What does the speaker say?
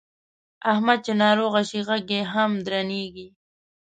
احمد چې ناروغ شي غږ یې هم درنېږي.